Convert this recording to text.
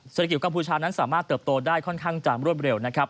เศรษฐกิจกัมพูชานั้นสามารถเติบโตได้ค่อนข้างจะรวดเร็วนะครับ